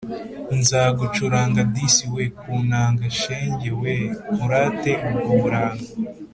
Nzagucuranga disi we Ku nanga shenge we Nkurate ubwo buranga.